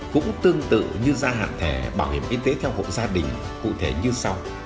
cũng tương tự như gia hạn thẻ bảo hiểm y tế theo hộ gia đình cụ thể như sau